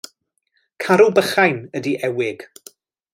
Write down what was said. Carw bychan ydy ewig.